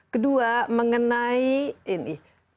kedua mengenai ini